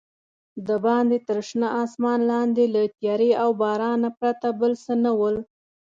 دباندې تر شنه اسمان لاندې له تیارې او بارانه پرته بل څه نه ول.